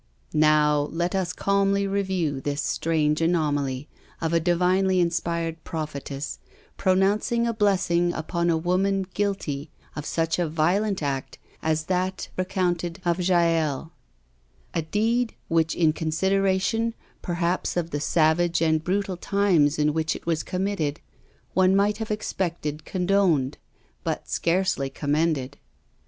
" Now, let us calmly review this strange anomaly of a divinely inspired prophetess, pronouncing a blessing upon a woman guilty of such a violent act as that recounted of Jael — ^a deed, which in consideration per haps of the savage and brutal times in which it was conunitted, one might have expected condoned, but scarcely commended.